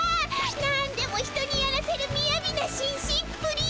なんでも人にやらせるみやびなしんしっぷり。